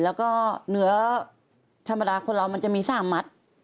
แล้วก็เนื้อธรรมดาคนเรามันจะมี๓มัด